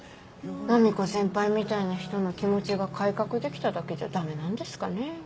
マミコ先輩みたいな人の気持ちが改革できただけじゃダメなんですかね。